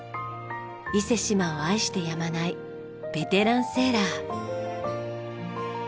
伊勢志摩を愛してやまないベテランセーラー。